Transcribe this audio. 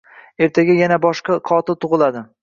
Ertaga yana boshqa qotil tug`iladi